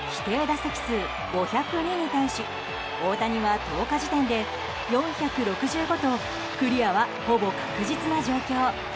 打席数５０２に対し大谷は１０日時点で４６５とクリアは、ほぼ確実な状況。